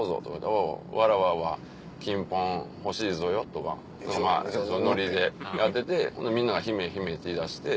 「おぉわらわは金ポン欲しいぞよ」とかノリでやっててみんな姫姫って言い出して。